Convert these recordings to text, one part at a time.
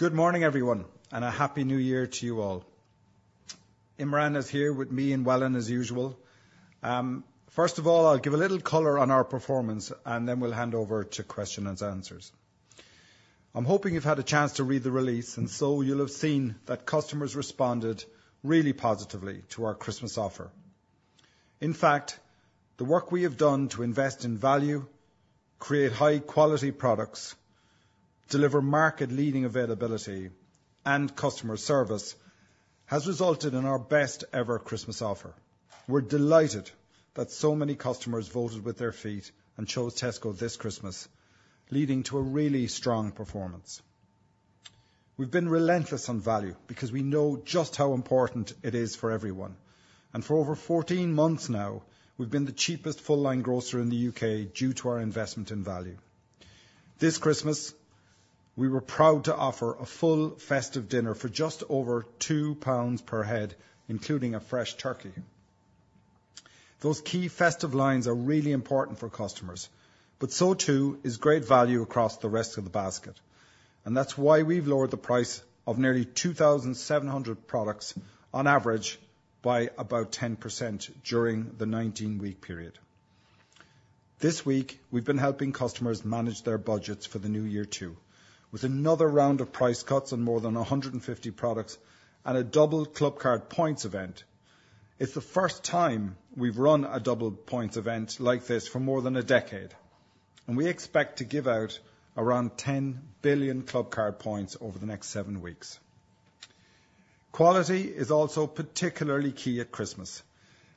Good morning, everyone, and a happy New Year to you all. Imran is here with me and Wellen, as usual. First of all, I'll give a little color on our performance, and then we'll hand over to question and answers. I'm hoping you've had a chance to read the release, and so you'll have seen that customers responded really positively to our Christmas offer. In fact, the work we have done to invest in value, create high-quality products, deliver market-leading availability and customer service, has resulted in our best ever Christmas offer. We're delighted that so many customers voted with their feet and chose Tesco this Christmas, leading to a really strong performance. We've been relentless on value because we know just how important it is for everyone, and for over 14 months now, we've been the cheapest full-line grocer in the U.K. due to our investment in value. This Christmas, we were proud to offer a full festive dinner for just over 2 pounds per head, including a fresh turkey. Those key festive lines are really important for customers, but so too is great value across the rest of the basket, and that's why we've lowered the price of nearly 2,700 products on average by about 10% during the 19-week period. This week, we've been helping customers manage their budgets for the new year, too, with another round of price cuts on more than 150 products and a double Clubcard points event. It's the first time we've run a double points event like this for more than a decade, and we expect to give out around 10 billion Clubcard points over the next seven weeks. Quality is also particularly key at Christmas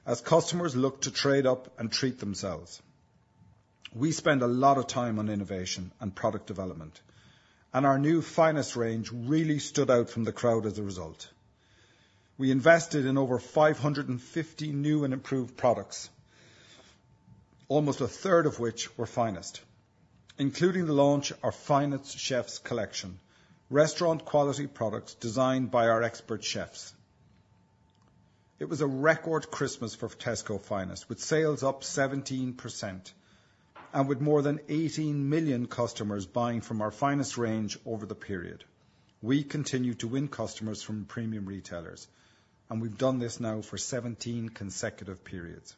as customers look to trade up and treat themselves. We spend a lot of time on innovation and product development, and our new Finest range really stood out from the crowd as a result. We invested in over 550 new and improved products, almost a third of which were Finest, including the launch of Finest Chef's Collection, restaurant-quality products designed by our expert chefs. It was a record Christmas for Tesco Finest, with sales up 17% and with more than 18 million customers buying from our Finest range over the period. We continue to win customers from premium retailers, and we've done this now for 17 consecutive periods.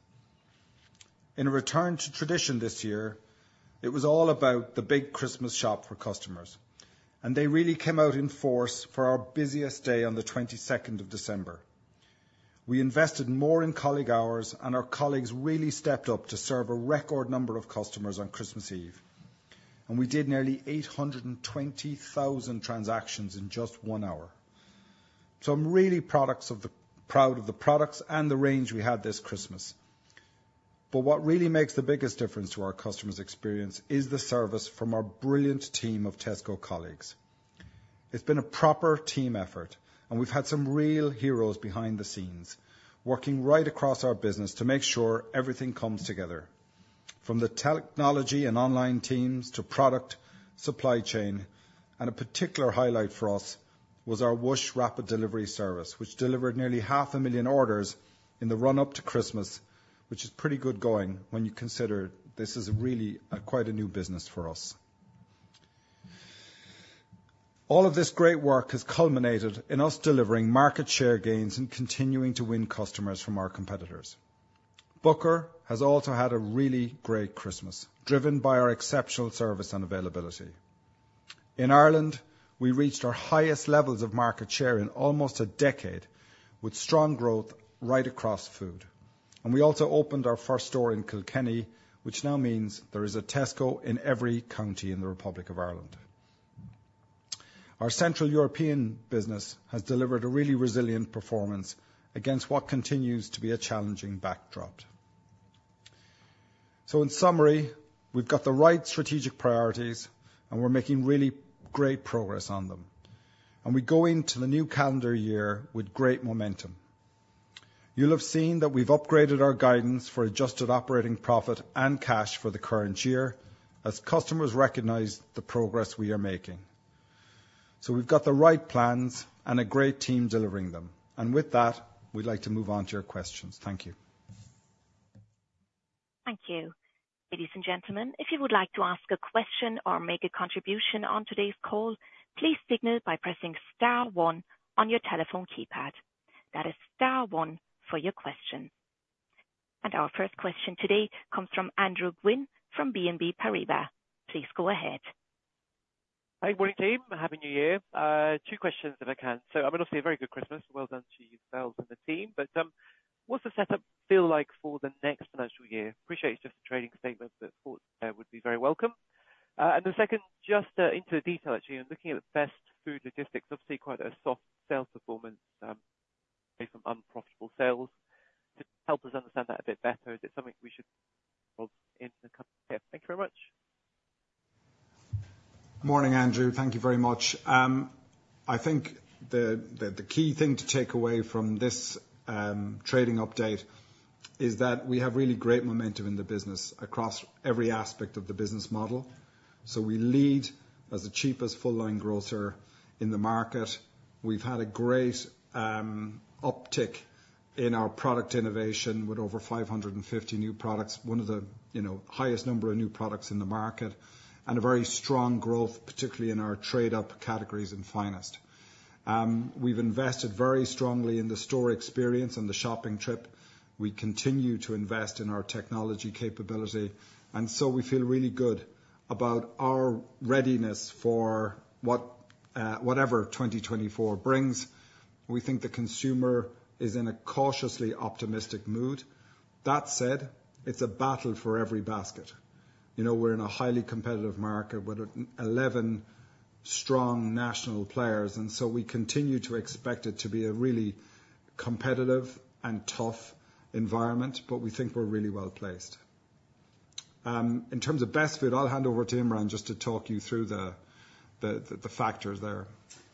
In a return to tradition this year, it was all about the big Christmas shop for customers, and they really came out in force for our busiest day on the 22nd of December. We invested more in colleague hours, and our colleagues really stepped up to serve a record number of customers on Christmas Eve, and we did nearly 820,000 transactions in just one hour. So I'm really proud of the products and the range we had this Christmas. But what really makes the biggest difference to our customers' experience is the service from our brilliant team of Tesco colleagues. It's been a proper team effort, and we've had some real heroes behind the scenes, working right across our business to make sure everything comes together, from the technology and online teams to product, supply chain. A particular highlight for us was our Whoosh rapid delivery service, which delivered nearly half a million orders in the run-up to Christmas, which is pretty good going when you consider this is really, quite a new business for us. All of this great work has culminated in us delivering market share gains and continuing to win customers from our competitors. Booker has also had a really great Christmas, driven by our exceptional service and availability. In Ireland, we reached our highest levels of market share in almost a decade, with strong growth right across food, and we also opened our first store in Kilkenny, which now means there is a Tesco in every county in the Republic of Ireland. Our Central European business has delivered a really resilient performance against what continues to be a challenging backdrop. In summary, we've got the right strategic priorities, and we're making really great progress on them, and we go into the new calendar year with great momentum. You'll have seen that we've upgraded our guidance for adjusted operating profit and cash for the current year as customers recognize the progress we are making. We've got the right plans and a great team delivering them. With that, we'd like to move on to your questions. Thank you. Thank you. Ladies and gentlemen, if you would like to ask a question or make a contribution on today's call, please signal by pressing star one on your telephone keypad. That is star one for your question. And our first question today comes from Andrew Gwynn, from BNP Paribas. Please go ahead. Hi, morning, team, and Happy New Year. Two questions, if I can. So, obviously, a very good Christmas. Well done to yourselves and the team. But, what's the setup feel like for the next financial year? Appreciate it's just a trading statement, but thoughts would be very welcome. And the second, just, into the detail, actually, and looking at the Best Food Logistics, obviously quite a soft sales performance, based on unprofitable sales. Just help us understand that a bit better. Is it something we should in the coming year? Thank you very much. Morning, Andrew. Thank you very much. I think the key thing to take away from this trading update is that we have really great momentum in the business across every aspect of the business model. So we lead as the cheapest full-line grocer in the market. We've had a great uptick in our product innovation, with over 550 new products, one of the, you know, highest number of new products in the market, and a very strong growth, particularly in our trade up categories and Finest. We've invested very strongly in the store experience and the shopping trip. We continue to invest in our technology capability, and so we feel really good about our readiness for what, whatever 2024 brings. We think the consumer is in a cautiously optimistic mood. That said, it's a battle for every basket. You know, we're in a highly competitive market with eleven strong national players, and so we continue to expect it to be a really competitive and tough environment, but we think we're really well-placed. In terms of Best Food, I'll hand over to Imran just to talk you through the factors there.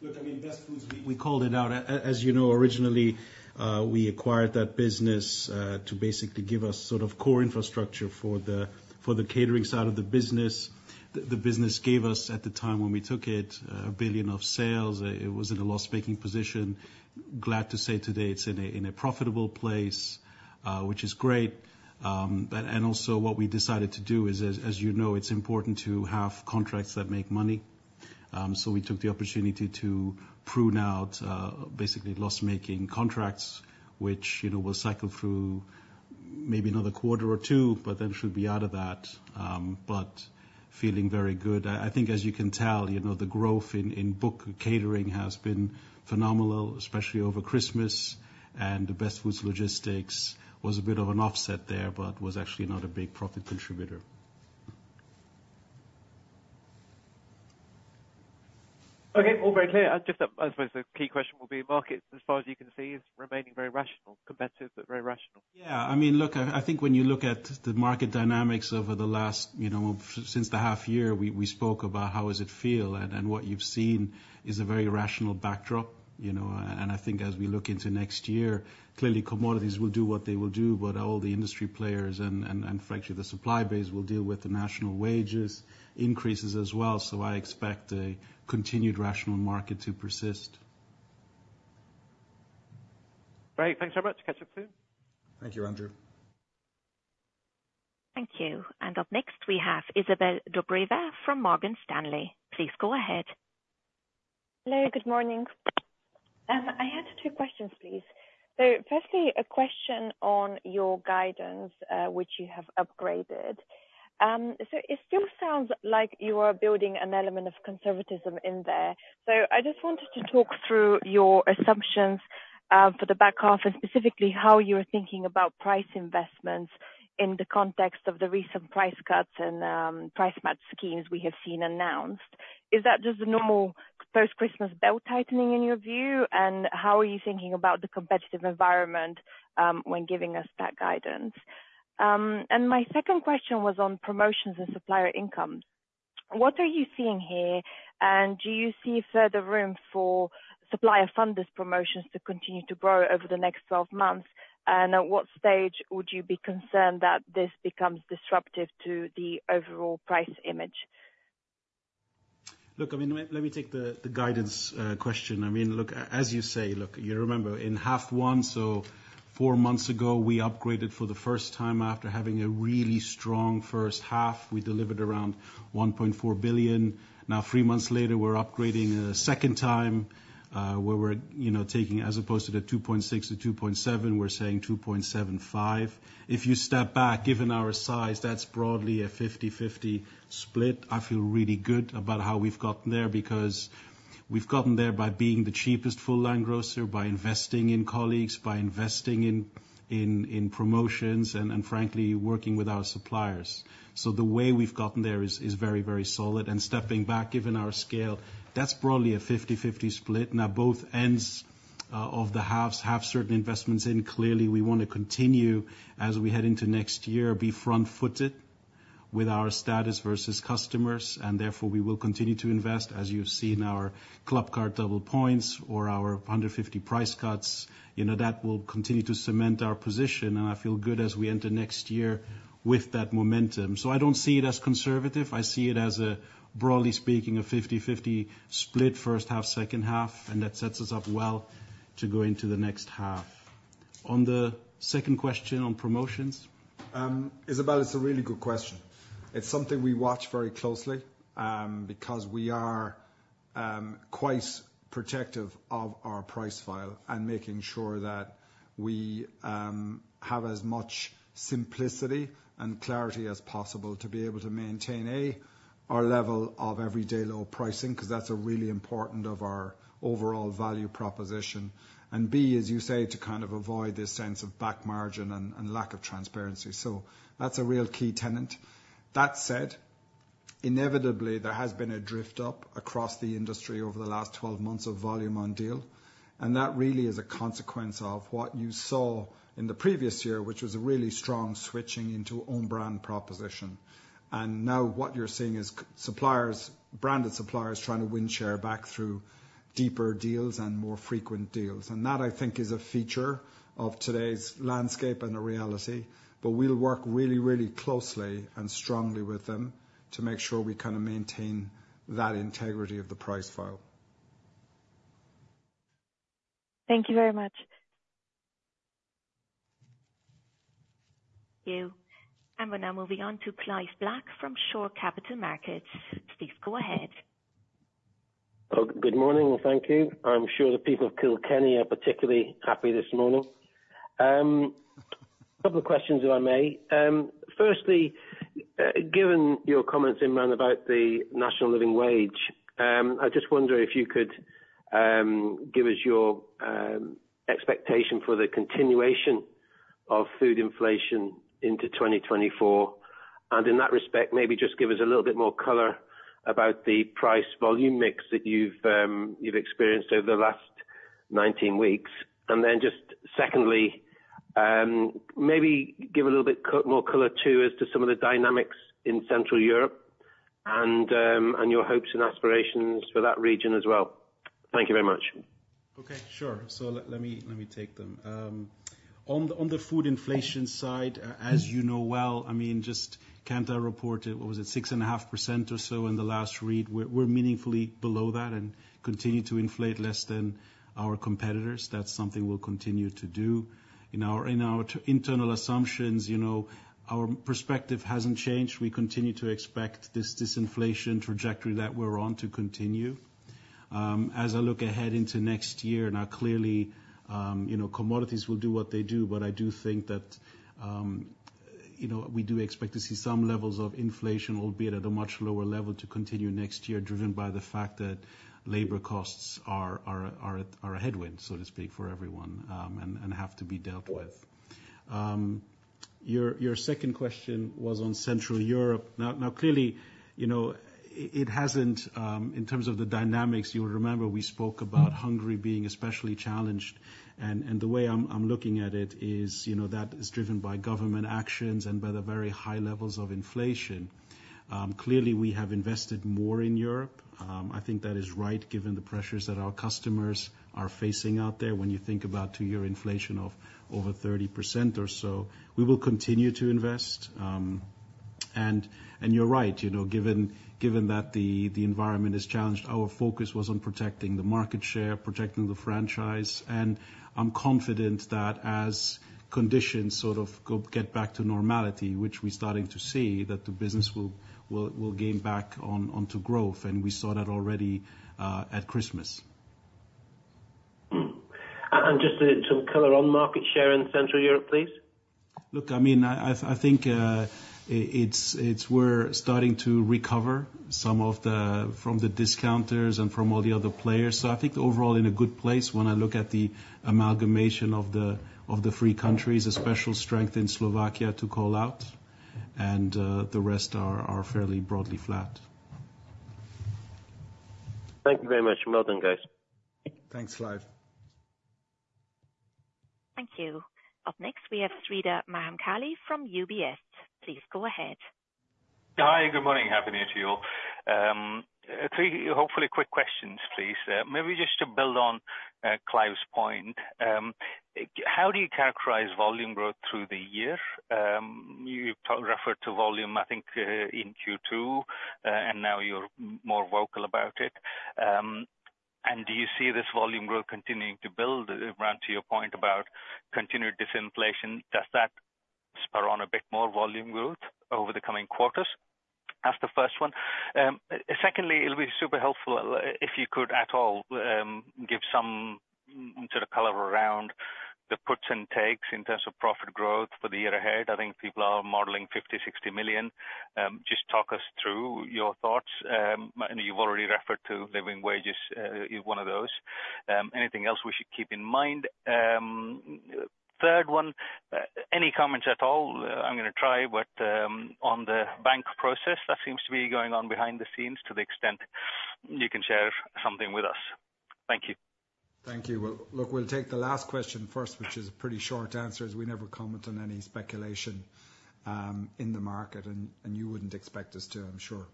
Look, I mean, Best Food Logistics, we called it out. As you know, originally, we acquired that business, to basically give us sort of core infrastructure for the, for the catering side of the business. The business gave us, at the time when we took it, 1 billion of sales. It was in a loss-making position. Glad to say today, it's in a profitable place, which is great. But and also what we decided to do is, as you know, it's important to have contracts that make money. So we took the opportunity to prune out, basically, loss-making contracts, which, you know, will cycle through maybe another quarter or two, but then should be out of that, but feeling very good. I think, as you can tell, you know, the growth in Booker catering has been phenomenal, especially over Christmas, and the Best Food Logistics was a bit of an offset there, but was actually not a big profit contributor. Okay, all very clear. Just that, I suppose the key question will be markets, as far as you can see, is remaining very rational, competitive, but very rational. Yeah. I mean, look, I think when you look at the market dynamics over the last, you know, since the half year, we spoke about how does it feel, and what you've seen is a very rational backdrop, you know. And I think as we look into next year, clearly, commodities will do what they will do, but all the industry players and frankly, the supply base will deal with the national wages increases as well. So I expect a continued rational market to persist. Great. Thanks so much. Catch up soon. Thank you, Andrew. Thank you. Up next, we have Izabel Dobrevafrom Morgan Stanley. Please go ahead. Hello, good morning. I have two questions, please. So firstly, a question on your guidance, which you have upgraded. So it still sounds like you are building an element of conservatism in there. So I just wanted to talk through your assumptions, for the back half and specifically, how you are thinking about price investments in the context of the recent price cuts and, price match schemes we have seen announced. Is that just a normal post-Christmas belt-tightening in your view, and how are you thinking about the competitive environment, when giving us that guidance? And my second question was on promotions and supplier income. What are you seeing here, and do you see further room for supplier-funded promotions to continue to grow over the next twelve months? At what stage would you be concerned that this becomes disruptive to the overall price image? Look, I mean, let me take the guidance question. I mean, look, as you say, look, you remember in half one, so four months ago, we upgraded for the first time after having a really strong first half. We delivered around 1.4 billion. Now, three months later, we're upgrading a second time, where we're, you know, taking, as opposed to the 2.6 billion-2.7 billion, we're saying 2.75 billion. If you step back, given our size, that's broadly a 50/50 split. I feel really good about how we've gotten there, because we've gotten there by being the cheapest full-line grocer, by investing in colleagues, by investing in promotions and frankly, working with our suppliers. So the way we've gotten there is very, very solid. And stepping back, given our scale, that's broadly a 50/50 split. Now, both ends of the halves have certain investments in. Clearly, we wanna continue as we head into next year, be front-footed with our status versus customers, and therefore we will continue to invest. As you've seen our Clubcard double points or our 150 price cuts, you know, that will continue to cement our position, and I feel good as we enter next year with that momentum. So I don't see it as conservative. I see it as a, broadly speaking, a 50/50 split, first half, second half, and that sets us up well to go into the next half. On the second question on promotions... Isabelle, it's a really good question. It's something we watch very closely, because we are, quite protective of our price file and making sure that we, have as much simplicity and clarity as possible to be able to maintain, A, our level of everyday low pricing, 'cause that's a really important of our overall value proposition. And B, as you say, to kind of avoid this sense of back margin and, and lack of transparency. So that's a real key tenet. That said, inevitably, there has been a drift up across the industry over the last 12 months of volume on deal, and that really is a consequence of what you saw in the previous year, which was a really strong switching into own brand proposition. Now what you're seeing is suppliers, branded suppliers trying to win share back through deeper deals and more frequent deals. And that, I think, is a feature of today's landscape and a reality, but we'll work really, really closely and strongly with them to make sure we kind of maintain that integrity of the price file. Thank you very much.... You. We're now moving on to Clive Black from Shore Capital Markets. Please, go ahead. Oh, good morning, and thank you. I'm sure the people of Kilkenny are particularly happy this morning. Couple of questions, if I may. Firstly, given your comments, Imran, about theNational Living Wage, I just wonder if you could give us your expectation for the continuation of food inflation into 2024. And in that respect, maybe just give us a little bit more color about the price volume mix that you've experienced over the last 19 weeks. And then just secondly, maybe give a little bit more color, too, as to some of the dynamics in Central Europe and your hopes and aspirations for that region as well. Thank you very much. Okay, sure. So let me take them. On the food inflation side, as you know well, I mean, just Kantar reported, what was it, 6.5% or so in the last read. We're meaningfully below that and continue to inflate less than our competitors. That's something we'll continue to do. In our internal assumptions, you know, our perspective hasn't changed. We continue to expect this inflation trajectory that we're on to continue. As I look ahead into next year, now, clearly, you know, commodities will do what they do, but I do think that, you know, we do expect to see some levels of inflation, albeit at a much lower level, to continue next year, driven by the fact that labor costs are a headwind, so to speak, for everyone, and have to be dealt with. Your second question was on Central Europe. Now, clearly, you know, it hasn't... In terms of the dynamics, you will remember we spoke about Hungary being especially challenged, and the way I'm looking at it is, you know, that is driven by government actions and by the very high levels of inflation. Clearly, we have invested more in Europe. I think that is right, given the pressures that our customers are facing out there, when you think about 2-year inflation of over 30% or so. We will continue to invest. And you're right, you know, given that the environment is challenged, our focus was on protecting the market share, protecting the franchise. And I'm confident that as conditions sort of get back to normality, which we're starting to see, that the business will gain back onto growth, and we saw that already at Christmas. Just some color on market share in Central Europe, please? Look, I mean, I think it's we're starting to recover some of the from the discounters and from all the other players. So I think overall in a good place when I look at the amalgamation of the of the three countries, a special strength in Slovakia to call out, and the rest are are fairly broadly flat. Thank you very much. Well done, guys. Thanks, Clive. Thank you. Up next, we have Sreedhar Mahamkali from UBS. Please go ahead. Hi, good morning. Happy New Year to you all. Three, hopefully quick questions, please. Maybe just to build on Clive's point, how do you characterize volume growth through the year? You referred to volume, I think, in Q2, and now you're more vocal about it. And do you see this volume growth continuing to build? Imran, to your point about continued disinflation, does that spur on a bit more volume growth over the coming quarters? That's the first one. Secondly, it'll be super helpful if you could, at all, give some sort of color around the puts and takes in terms of profit growth for the year ahead. I think people are modeling 50-60 million. Just talk us through your thoughts. And you've already referred to living wages in one of those. Anything else we should keep in mind? Third one, any comments at all, I'm gonna try, but, on the bank process, that seems to be going on behind the scenes, to the extent you can share something with us. Thank you. Thank you. Well, look, we'll take the last question first, which is a pretty short answer, is we never comment on any speculation in the market, and you wouldn't expect us to, I'm sure.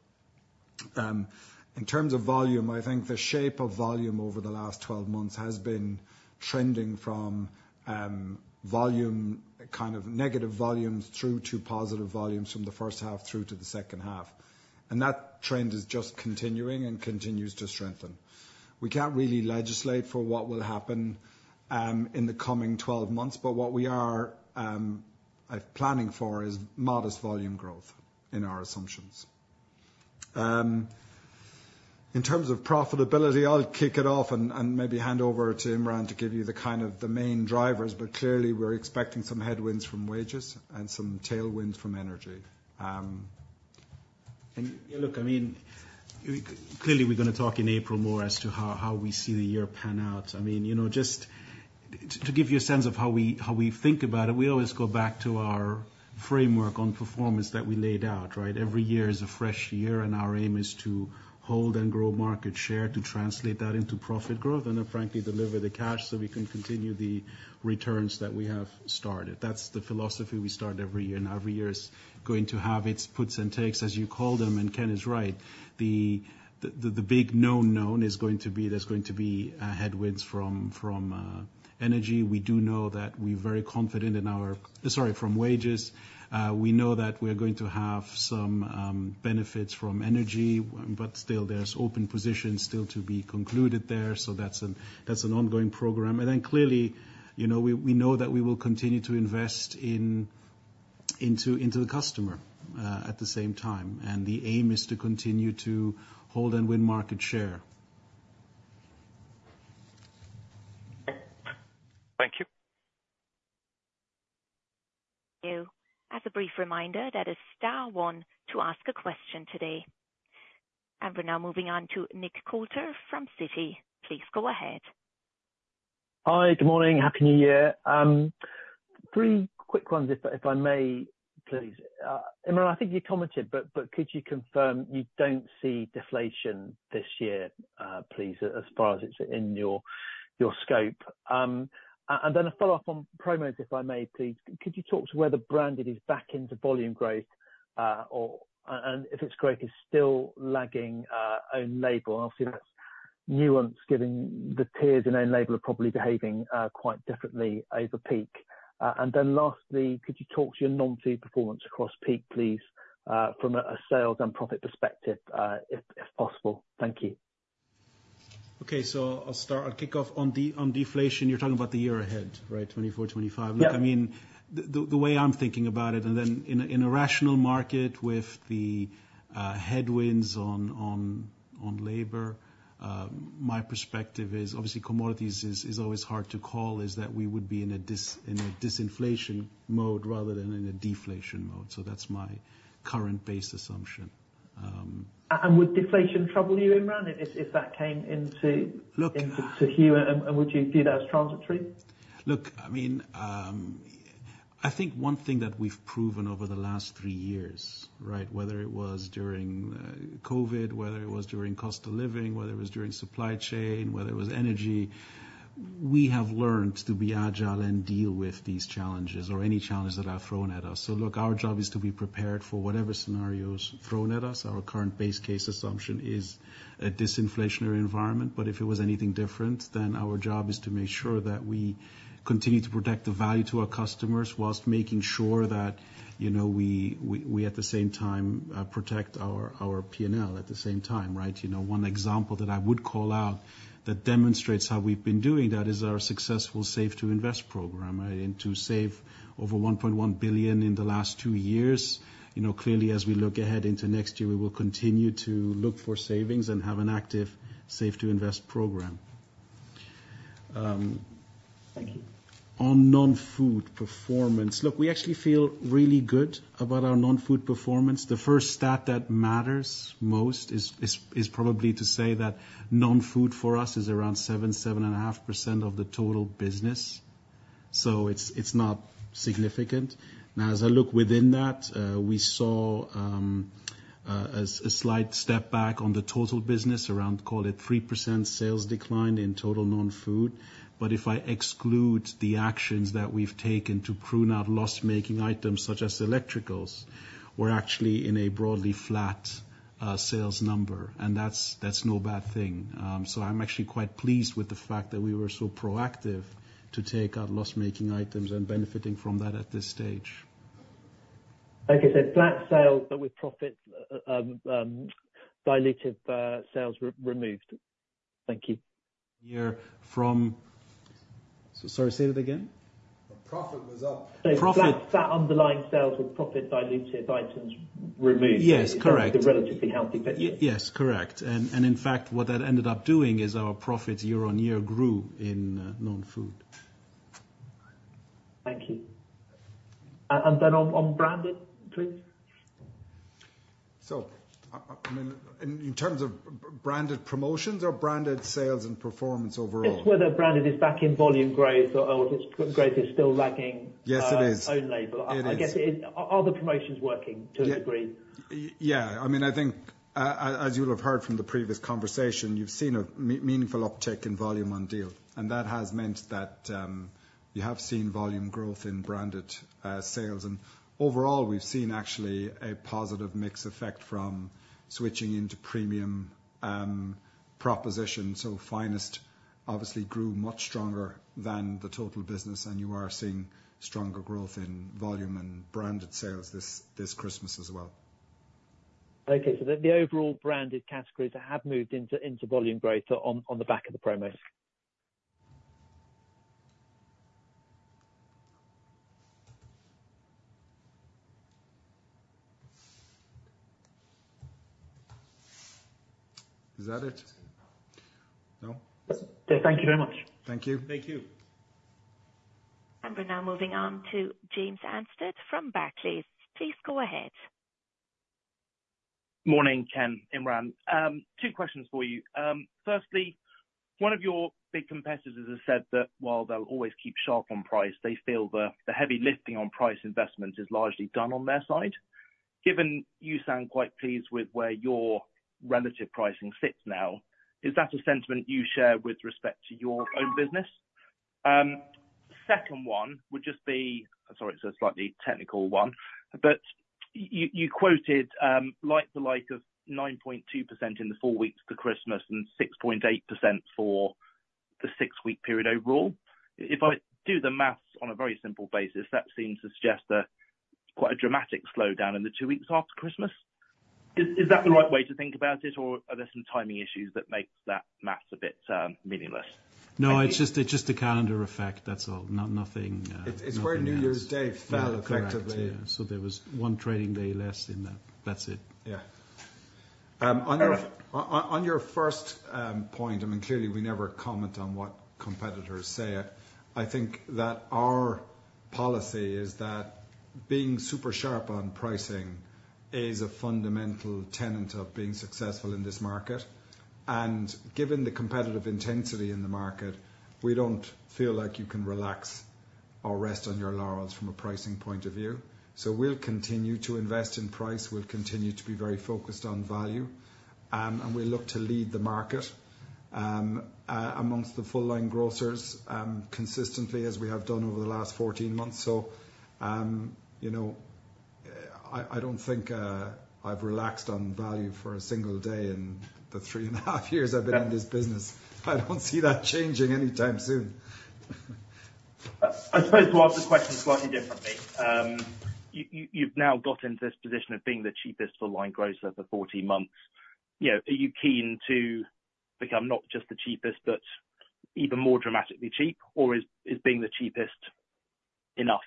In terms of volume, I think the shape of volume over the last 12 months has been trending from volume, kind of negative volumes through to positive volumes from the first half through to the second half, and that trend is just continuing and continues to strengthen. We can't really legislate for what will happen in the coming 12 months, but what we are planning for is modest volume growth in our assumptions. In terms of profitability, I'll kick it off and maybe hand over to Imran to give you the kind of the main drivers, but clearly, we're expecting some headwinds from wages and some tailwinds from energy. And look, I mean, clearly, we're gonna talk in April more as to how we see the year pan out. I mean, you know, just to give you a sense of how we think about it, we always go back to our framework on performance that we laid out, right? Every year is a fresh year, and our aim is to hold and grow market share, to translate that into profit growth, and then, frankly, deliver the cash so we can continue the returns that we have started. That's the philosophy we start every year, and every year is going to have its puts and takes, as you call them. And Ken is right. The big known known is going to be, there's going to be headwinds from energy. We do know that we're very confident in our... Sorry, from wages. We know that we're going to have some benefits from energy, but still there's open positions still to be concluded there, so that's an ongoing program. And then clearly, you know, we know that we will continue to invest into the customer at the same time. And the aim is to continue to hold and win market share. Thank you. ...you. As a brief reminder, that is star one to ask a question today. We're now moving on to Nick Coulter from Citi. Please go ahead. Hi, good morning. Happy New Year. Three quick ones, if I may, please. Imran, I think you commented, but could you confirm you don't see deflation this year, please, as far as it's in your scope? And then a follow-up on promos, if I may please. Could you talk to where the branded is back into volume growth, or and if its growth is still lagging own label? Obviously, that's nuanced, given the tiers in own label are probably behaving quite differently over peak. And then lastly, could you talk to your non-food performance across peak, please, from a sales and profit perspective, if possible? Thank you. Okay, so I'll start. I'll kick off on deflation, you're talking about the year ahead, right? 2024, 2025. Yeah. Look, I mean, the way I'm thinking about it, and then in a rational market with the headwinds on labor, my perspective is obviously commodities is always hard to call, is that we would be in a disinflation mode rather than in a deflation mode. So that's my current base assumption. And would deflation trouble you, Imran, if that came into? Look- into Hugh, and would you view that as transitory? Look, I mean, I think one thing that we've proven over the last three years, right? Whether it was during COVID, whether it was during cost of living, whether it was during supply chain, whether it was energy, we have learned to be agile and deal with these challenges or any challenges that are thrown at us. So look, our job is to be prepared for whatever scenario is thrown at us. Our current base case assumption is a disinflationary environment, but if it was anything different, then our job is to make sure that we continue to protect the value to our customers whilst making sure that, you know, we, we, at the same time, protect our, our PNL at the same time, right? You know, one example that I would call out that demonstrates how we've been doing that is our successful Save to Invest program, and to save over 1.1 billion in the last two years. You know, clearly, as we look ahead into next year, we will continue to look for savings and have an active Save to Invest program. Thank you. On non-food performance, look, we actually feel really good about our non-food performance. The first stat that matters most is probably to say that non-food for us is around 7-7.5% of the total business, so it's not significant. Now, as I look within that, we saw a slight step back on the total business around, call it 3% sales decline in total non-food. But if I exclude the actions that we've taken to prune out loss-making items such as electricals, we're actually in a broadly flat sales number, and that's no bad thing. So I'm actually quite pleased with the fact that we were so proactive to take our loss-making items and benefiting from that at this stage. Okay, so flat sales, but with profits diluted, sales removed. Thank you. Year from... Sorry, say that again? The profit was up. So- Profit-... flat underlying sales with profit-dilutive items removed. Yes, correct. A relatively healthy picture. Yes, correct. And in fact, what that ended up doing is our profits year-on-year grew in non-food. Thank you. And then on branded, please. So, I mean, in terms of branded promotions or branded sales and performance overall? Just whether branded is back in volume growth or if its growth is still lagging- Yes, it is.... own label. It is. I guess, are the promotions working to a degree? Yeah. I mean, I think, as you'll have heard from the previous conversation, you've seen a meaningful uptick in volume on deal, and that has meant that you have seen volume growth in branded sales. And overall, we've seen actually a positive mix effect from switching into premium proposition. So Finest obviously grew much stronger than the total business, and you are seeing stronger growth in volume and branded sales this Christmas as well. Okay. So the overall branded categories have moved into volume growth on the back of the promos? Is that it? No. Yeah, thank you very much. Thank you. Thank you. And we're now moving on to James Anstead from Barclays. Please go ahead. Morning, Ken, Imran. Two questions for you. Firstly, one of your big competitors has said that while they'll always keep sharp on price, they feel the, the heavy lifting on price investments is largely done on their side. Given you sound quite pleased with where your relative pricing sits now, is that a sentiment you share with respect to your own business? Second one would just be... Sorry, it's a slightly technical one, but you quoted, like, the like-for-like of 9.2% in the four weeks to Christmas and 6.8% for the six week period overall. If I do the maths on a very simple basis, that seems to suggest that quite a dramatic slowdown in the two weeks after Christmas. Is, is that the right way to think about it, or are there some timing issues that makes that math a bit meaningless?... No, it's just, it's just a calendar effect, that's all. Not nothing, nothing else. It's where New Year's Day fell effectively. Correct, yeah. There was one trading day less in that. That's it. Yeah. On your first point, I mean, clearly, we never comment on what competitors say. I think that our policy is that being super sharp on pricing is a fundamental tenet of being successful in this market. And given the competitive intensity in the market, we don't feel like you can relax or rest on your laurels from a pricing point of view. So we'll continue to invest in price, we'll continue to be very focused on value, and we look to lead the market amongst the full line grocers consistently as we have done over the last 14 months. So, you know, I don't think I've relaxed on value for a single day in the 3.5 years I've been in this business. I don't see that changing anytime soon. I suppose to ask the question slightly differently. You've now got into this position of being the cheapest full-line grocer for 14 months. You know, are you keen to become not just the cheapest, but even more dramatically cheap, or is being the cheapest enough?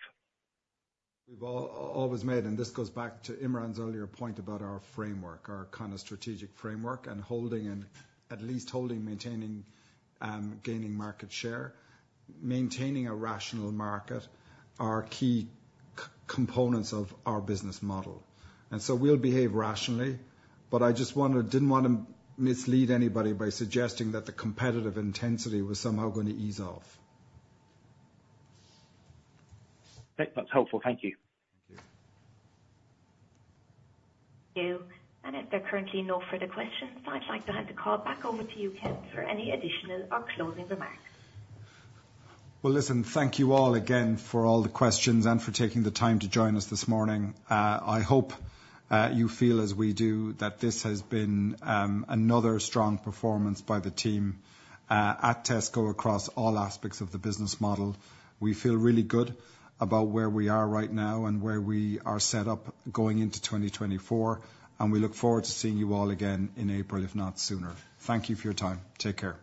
We've always made, and this goes back to Imran's earlier point about our framework, our kind of strategic framework, and holding and at least holding, maintaining, gaining market share, maintaining a rational market, are key components of our business model. And so we'll behave rationally, but I just wanted, I didn't want to mislead anybody by suggesting that the competitive intensity was somehow going to ease off. Great, that's helpful. Thank you. Thank you. Thank you. If there are currently no further questions, I'd like to hand the call back over to you, Ken, for any additional or closing remarks. Well, listen, thank you all again for all the questions and for taking the time to join us this morning. I hope you feel as we do, that this has been another strong performance by the team at Tesco, across all aspects of the business model. We feel really good about where we are right now and where we are set up going into 2024, and we look forward to seeing you all again in April, if not sooner. Thank you for your time. Take care.